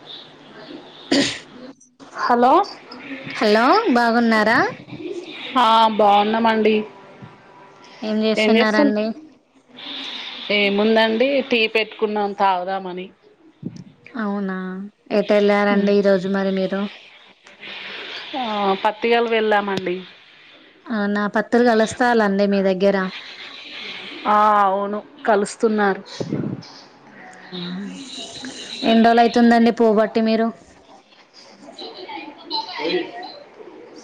హ hello hello బాగున్నారా ఆ బాగున్నామండి ఏం చేస్తుం ఏముందండి టీ పెట్టుకున్నాం తాగుదామని అవునా ఎట వెళ్ళారండి ఈ రోజు మరి మీరు ఆ పత్తిికలు వెళ్ళామండి అవునా పతిరిగలు కలుస్తాలండి మీ దగ్గర ఆ అవును కలుస్తున్నారు ఎన్ రోజలు అయితుందండి పోబట్టి మీరు?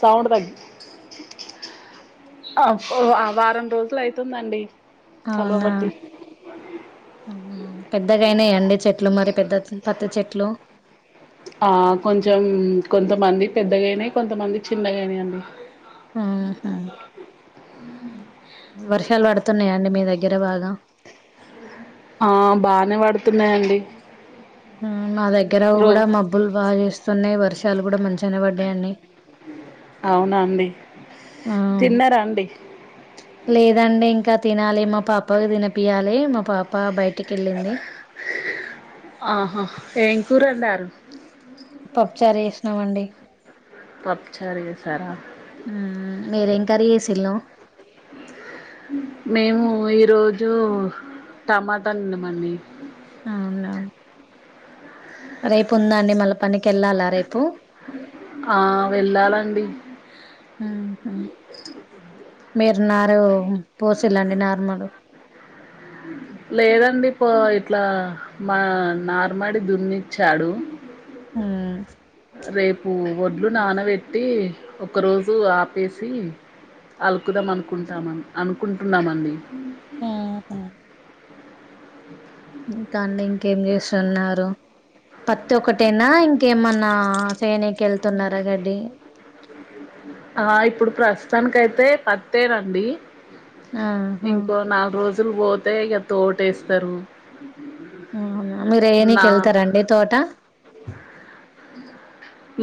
సౌండ్ తగ్ ఆ ఓ ఆ వారం రోజులు అయితుందండి. అవునా కలవబట్టి అవునా పెద్దగైనయా అండి చెట్లు మరి పెద్ద పత్త చెట్లు? ఆ కొంచెం కొంతమంది పెద్దగైనయ్ కొంతమంది చిన్నగైనయ్ అండి. ఆహా వర్షాలు పడుతున్నాయ అండి మీ దగ్గర బాగ? ఆ బానే పడుతున్నాయండి. ఆ మా దగ్గర రో కూడ మబ్బులు బా చేస్తున్నయి వర్షాలు కూడ మంచిగనే పడ్డయండి. అవునాండి. ఆ తిన్నారా అండి? లేదండి ఇంక తినాలి. మా పాపకు తినపియాలి, మా పాప బయటికి వెళ్ళింది. ఆహా ఏం కూరండారు? పప్పుచార ఎసినమండి. పప్పుచారు ఎసారా ఉ మీరేం కర్రీ చేేసిల్లు? మేము ఈ రోజు టమాట నిన్నమండి అవున్లె రేపు ఉందా అండి మళ్ళ పనికెళ్ళాలా రేపు? ఆ! వెళ్ళాలండి. మీరు నారు పోసిల్లండి నార్మలు లేదండి పో ఇట్లా మా నార్మడి దున్నిచ్చాడు. ఊ రేపు ఒడ్లు నానబెట్టి ఒక రోజు ఆపేసి అలుకుదాం అనుకుంటామన్ అనుకుంటున్నామండి. ఆ హ ఇంకా అండి ఇంకేం చేస్తున్నారు? పత్తి ఒక్కటేనా ఇంకేమన్నా చేయనీకి ఎళ్తున్నార గడ్డి ఆ ఇప్పుడు ప్రస్తుతానికి అయితే పత్తేనండి. ఆహా ఇంకో నాల్గు రోజులు పోతే ఇగ తోట ఏస్తరు. అ మీరు ఏయనిక ఎళ్తరండి తోట?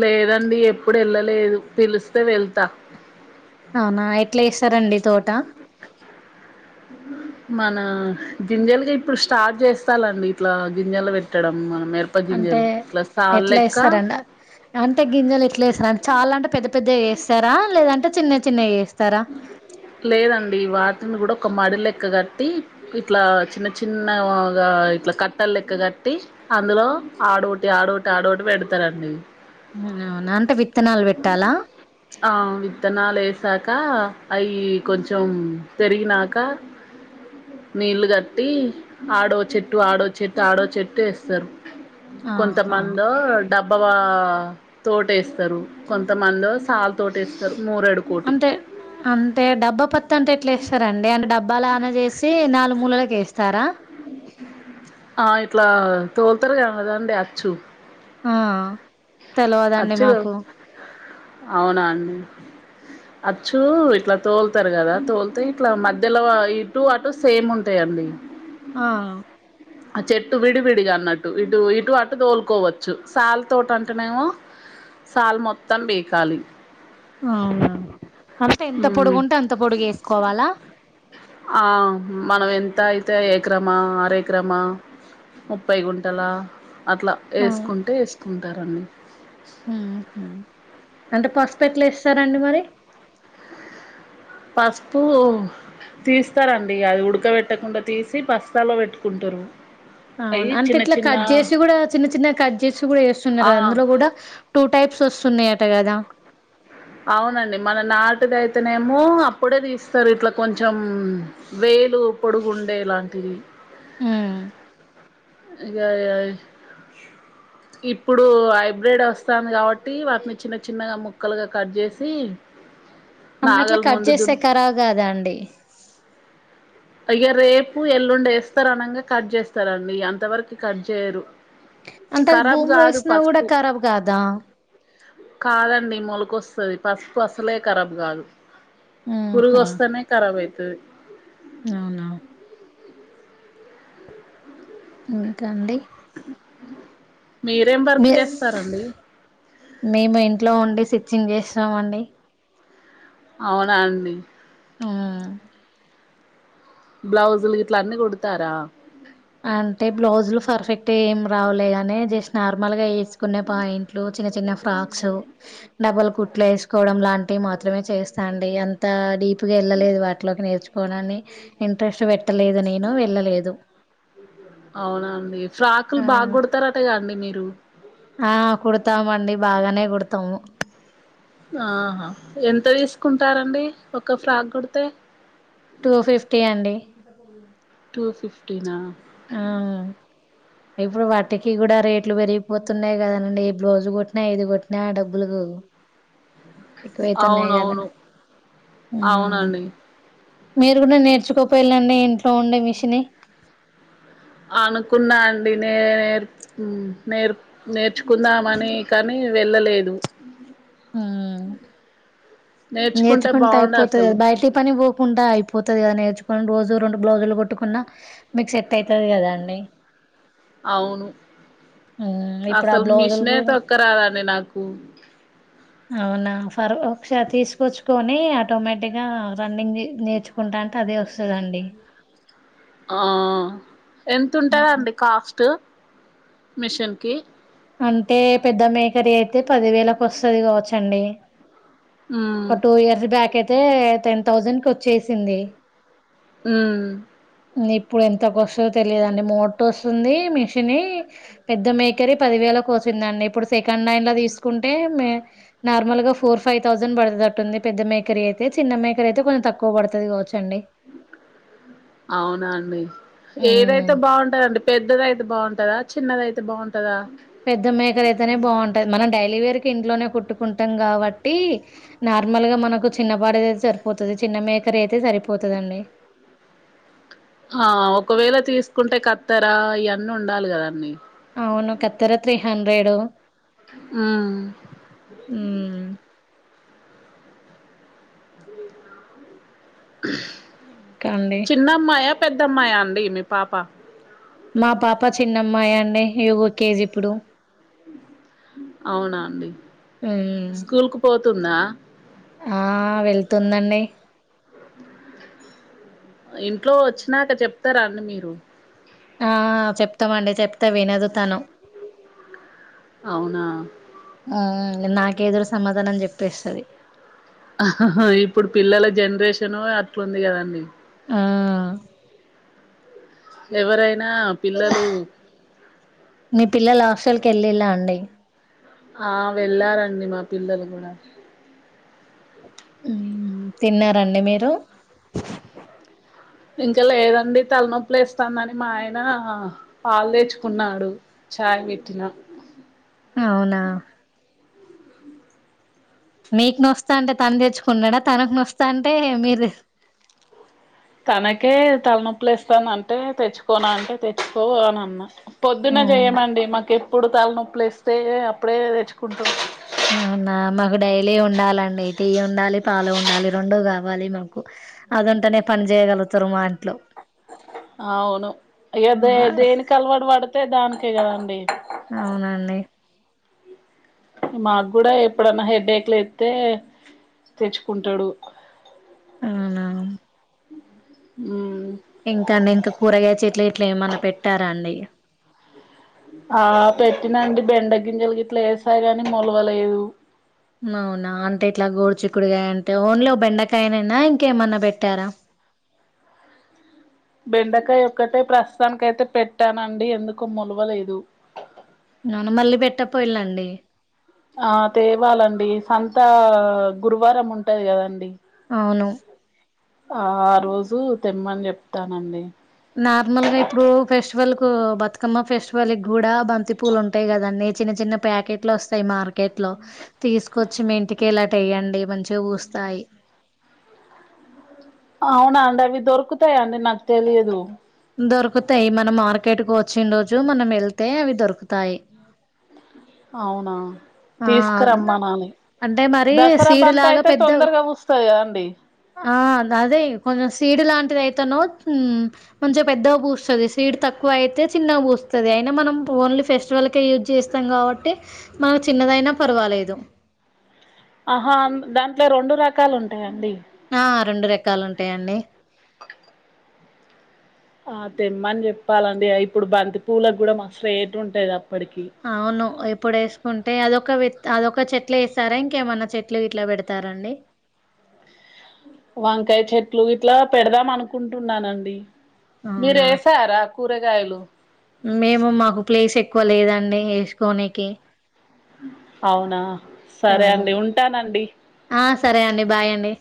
లేదండి ఎప్పుడు ఎళ్ళలేదు పిలుస్తే వెళ్తా అవునా ఎట్ల ఎస్తరండి తోట? ఉ మనా గింజలుకి ఇప్పుడు స్టార్ట్ చేస్తాలండి ఇట్లా గింజలు పెట్టడం మనం మెర్ ప అంటే గింజలు ఇట్ల సా ఎట్లా లెక్క ఏస్తారండి అంటే గింజలు ఎట్ల ఎస్తరండి చాలా అంటే పెద్ద పెద్ద గ ఏస్తారా లేదంటే చిన్న చిన్నవి ఏస్తరా? లేదండి ఈ వాటిని కూడ ఒక మడి లెక్క కట్టి ఇట్లా చిన్న చిన్నగా ఇట్లా కట్టలు లెక్క కట్టి అందులో ఆడోటి ఆడోటి ఆడోటి పెడతరండి. న అవునా అంటే విత్తనాలు పెట్టాలా? ఆ విత్తనాలు వేసాక అవి కొంచెం పెరిగినాక నీళ్లు కట్టి ఆడో చెట్టు ఆడో చెట్టు ఆడో చెట్టు ఏస్తరు ఆహా కొంతమందో డబ్బ వా తోట ఏస్తరు కొంతమందో సాలు తోట ఏస్తరు నూరెడు అంతే అంటే డబ్బా పత్ అంటే ఎట్లా యేస్తారండి అంటే డబ్బా లానా చేసి నాలుగు మూలలకి వేస్తారా. ఆ ఇట్లా తోలుతారు కదాండి అచ్చు ఆ తెలవదండి అచ్చులు మాకు అవునా అచ్చు ఇట్లా తోలుతారు కదా తోలితే ఇట్లా మధ్యలో ఇటు అటు సేమ్ ఉంటాయండి. ఆ చెట్టు విడివిడిగా అన్నట్టు ఇటు ఇటు అటు తోలుకోవచ్చు శాలతోట అంటేనేమో సాలు మొత్తం పీకాలి అవునా అంటే ఎంత పొడుగుంటే అంత పొడుగు యెస్కోవాలా. ఆ మనది ఎంత అయితే ఎకరమా ఆర ఎకరమా ముప్పై గుంటలా అట్లా ఆ వేసుకుంటే వేసుకుంటారండి. ఉ హు అంటే పసుపెట్లా వేస్తారండి మరి పసుపు తీస్తారండి అది ఉడకబెట్టకుండా తీసి పస్తాలో పెట్టుకుంటారు. అవును అంటే ఇట్లా కట్ చేసి కూడా చిన్న చిన్న కట్ చేసి కూడా వేస్తున్నారు ఆ అందులో కూడా టూ టైప్స్ వస్తున్నాయట కదా అవునండి మన నాటిది అయితేనేమో అప్పుడే తీస్తారు ఇట్లా కొంచెం వేలు పొడుగుండే లాంటివి ఉ యిగా [unintelligible] ఇప్పుడు హైబ్రిెడ్ వస్తాది కాబట్టి వాటిని చిన్న చిన్నగా ముక్కలుగా కట్ చేసి అమెట్లా నాగలి కట్ ముందు చేస్తే దున్ను కరాబ్ కాదా అండి అయ్యో రేపు ఎల్లుండి వేస్తారు అనంగా కట్ చేస్తారండి అంత వరకు కట్ చేయరు. అంటే అది ఖరాబ్ భూమిలో కాదు వేసిన కూడా పసుపు ఖరాబ్ కాదా కాదండి మొలుకొస్తది పసుపు అసలే ఖరాబ్ కాదు. ఉహు పరుగోస్తేనే కరాబ్ అయితది అవునా ఇంకా అండి మీరేం వర్క్ మీ చేస్తారండి మేము ఇంట్లో ఉండి స్టిచ్చింగ్ చేస్తాం అండి అవునా అండి ఉ బ్లౌజులు గిట్లా అన్ని కుడతారా అంటే బ్లౌజ్లు పర్ఫెక్ట్ ఏం రావలేగాని జస్ట్ నార్మల్గా వేసుకునే పాయింట్లు చిన్న చిన్న ఫ్రాక్సు డబులు కుట్లు వేసుకోవడం లాంటివి మాత్రమే చేస్తా అండి అంత డీప్ డిప్గా వెళ్ళలేదు వాటిలోకి నేర్చుకోనని ఇంట్రెస్ట్ పెట్టలేదు నేను వెళ్ళలేదు. అవునా అండి ఫ్రాకులు ఆ బాగా కుడతారటగా అండి మీరు. ఆ కుడతామండి బాగానే కుడతాము ఆహా ఎంత తీసుకుంటారండి ఒక ఫ్రాక్ కుడితే టూ ఫిఫ్టీ అండి పో [unintelligible] టూ ఫిఫ్టీనా అవును ఇప్పుడు వాటికి కూడా రేట్లు పెరిగిపోతున్నాయి కదండీ ఏ బ్లౌజ్ కొట్టినా ఏది కొట్టినా ఆ డబ్బులు ఎక్కువైతున్నాయి కదా అవునవును అవునండి మీరు కూడా నేర్చుకోపోయళండి ఇంట్లో ఉండే మిషని అనుకున్నా అండి నే నేర్ నేర్ నేర్చుకుందామని కానీ వెళ్ళలేదు నేర్చుకుంటే నేర్చుకుంటా బాగుండు అయిపోతుంది అసలు బయట పని పోకుండా అయిపో పోతుంది కదా నేర్చుకొని రోజు రెండు బ్లౌజులు కొట్టుకున్నా మీకు సెట్ అవుతది కదా అండి అవును ఉమ్ ఇప్పుడు ఆ అసలు బ్లౌజులు మిషినైయి కూడా తొక్క రాదండి నాకు అవునా ఫర్ ఒకసారి తీసుకొచ్చుకని ఆటోమేటిక్గా రన్నింగ్ నేర్చుకో కుంటా అంటే అదే వస్తుందండి ఎంత ఉంటుందండి కాస్ట్ మిషన్కి అంటే పెద్ద మేకరీ అయితే పది వేలకు వస్తది కావచ్చండి ఉమ్ ఒక టూ ఇయర్స్ బ్యాక్ అయితే టెన్ థౌజండ్ కి వచ్చేసింది ఊమ్ ఇప్పుడు ఎంతకు వస్తదో తెలియాదండీ మోట వస్తుంది మిషన్ పెద్ద మేకరే పది వేలకి వచ్చిందండి ఇప్పుడు సెకండ్ హ్యాండ్ లో తీసుకుంటే నార్మల్ గా ఫోర్ ఫైవ్ థౌసండ్ ప పడుతుది అట్టుంది పెద్ద మేకరీ అయితే చిన్న మేకర అయితే కొంచం తక్కువ పడుతది కావచ్చండి అవునా అండి ఉమ్ ఏదైతే బాగుంటాదండీ పెద్దదియితే బాగుంటందా చిన్నది అయితే బాగుంటందా పెద్ద మేకరు అయితేనే బాగుంటది మనం డైలీ వేర్ కి ఇంట్లోనే కుట్టుకుంటాం కాబట్టి నార్మల్ గా మనకు చిన్నపాడద అయితే సరిపోతది చిన్న మేకర్ అయితే సరిపోతదండి ఆ ఒకవేళ తీసుకుంటే కత్తెరా ఇయన్నీ ఉండాలి కద అన్నీ అవును కత్తెర త్రీ హండ్రెడు ఉమ్ ఉమ్ క్కండి చిన్నమ్మాయా పెద్దమ్మాయా అండి మీ పాప మా పాప చిన్నమ్మాయండి యూకేేజి ఇప్పుడు అవునా అండి ఉమ్ స్కూల్ కు పోతుందా ఆ వెళ్తుందండి ఇంట్లో వచ్చినాక చెప్తారా అండి మీరు ఆ చెప్తామండి చెప్తా వినదు తను అవునా ఆ నాకే ఎదురు సమాధానం చెప్పేస్తది ఆ హా ఆ హా ఇప్పుడు పిల్లల జనరేషను అట్లుంది కదండి ఆ ఎవరైనా పిల్లలు మీ పిల్లలు హాస్టల్ కి వెళ్లిళ్ళ అండి ఆ వెళ్ళారండి మా పిల్లలు కూడా ఊహు తిన్నారండి మీరు ఇంకా లేదండి తలనొప్పి లేస్తాంది అని మా ఆయన పాలు తెేచుకున్నాడు చాయ్ పెట్టిన అవునా మీకు నొస్తాన్టే తను తెచ్చుకున్నాడా తనకు నొస్తాంటే మీరు తనకే తలనొప్పి లేస్తంది అంటే తెచ్చుకోన అంటే తెచ్చుకో అని అన్నా పొద్దున ఉమ్ చేయ్యమండి మాకు ఎప్పుడు తలనొప్పుల్ ఏస్తేఏ అప్పుడే తెచ్చుకుంటామ్ అవునా మాకు డైలీ ఉండాలండి టీ ఉండాలి పాలు ఉండాలి రెండూ కావాలి మాకు అదంటేనే పని చేయగలుగుతారు మా ఇంట్లో అవును అయ్యో ఆ దేనికి అలవాటు పడితే దానికే కదండి అవునండి మాకు కూడా ఎప్పుడన్నా హెడేక్లు ఐతే తెచ్చుకుంటాడు అవునా ఉమ్మ్ ఇంకా అండి ఇంకా కూరగాయ చెట్లు ఇట్లా ఏమన్నా పెట్టారా అండి ఆ పెట్టినండి బెండగింజలు గిట్లా వేసాయి గాని మొలవలేదు నవునా అంటే ఇట్లా గోడు చిక్కుడుకాయ అంటే ఓన్లీ ఓ బెండకాయనైనా ఇంకేమన్నా పెట్టారా బెండకాయ ఒక్కటే ప్రస్తుతానికైతే పెట్టానండి ఎందుకో మొలవ లేదు నాన మళ్ళీ పెట్టపోయిలండి ఆ తేవాలండి సంత గురువారం ఉంటది కదండి అవును ఆ రోజు తెమ్మని చెప్తానండి నార్మల్ గా ఇప్పుడు ఫెస్టివల్ కు బతుకమ్మ ఫెస్టివల్ కి కూడా బంతి పూలు ఉంటాయి కదండి చిన్న చిన్న ప్యాకెట్లు వస్తాయి మార్కెట్ లో తీసుకొచ్చి మీ ఇంటికెలి అటుఎయండి మంచిగా పుస్తాయ్ అవునా అండి అవి దొరుకుతాయ అండి నాకు తెలియదు దొరుకుతాయి మన మార్కెట్ కు వచ్చిన రోజు మనం వెళ్తే అవి దొరుకుతాయి అవునా ఆ తీసుకురమ్మనాలి అంటే మరి దసరా సీడు బంత లాగా అయితే పెద్ద తొందరగా పూస్తాయ అండి ఆ అదే కొంచెం సీడ్ లాంటిది అయితనో ఉం కొంచం పెద్దగా పూస్తది సీడ్ తక్కువ క్వైతే అయితే చిన్న పుస్తది అయినా మనం ఓన్లీ ఫెస్టివల్కే యూజ్ చేస్తాం కాబట్టి మన చిన్నదైనా పర్వాలేదు ఆహా దాంట్లో రెండు రకాలు ఉంటాయండి ఆ రెండు రకాలు ఉంటాయండి ఆ తెిమ్మని చెప్పాలండి ఇప్పుడు బంతి పూలకు కూడా మట్రేట్ ఉంటాది అప్పటికి అవును ఇప్పుడు వేసుకుంటే అదొక వి అదొక చెట్లు వేస్తారా ఇంకేమన్నా చెట్లు గిట్లా పెడతారండి వంకాయ చెట్లు ఇట్లా పెడదాం అనుకుంటున్నానండి మీరు అవునా వేసారా కూరగాయలు మేము మాకు ప్లేస్ ఎక్కువ లేదండి వేసుకోనికి అవునా ఆ సరే అండి ఉంటానండి ఆ సరే అండి బాయ్ అండి